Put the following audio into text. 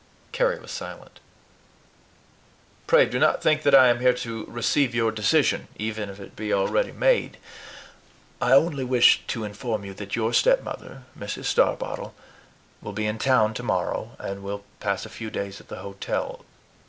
Carry was silent. "Pray do not think that I am here to receive your decision, even if it be already made. I only came to inform you that your stepmother, Mrs. Starbottle, will be in town tomorrow, and will pass a few days at the hotel.